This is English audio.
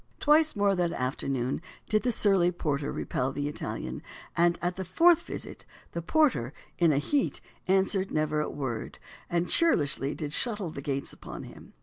Twice more that afternoon did the surly porter repel the Italian, and at the fourth visit "the porter, in a heate, answered never a worde, and churlishlie did shutte the gates upon him."